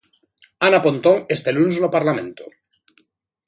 Ana Pontón este luns no Parlamento.